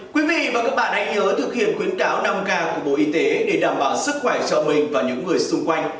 quý vị và các bạn hãy nhớ thực hiện khuyến cáo năm k của bộ y tế để đảm bảo sức khỏe cho mình và những người xung quanh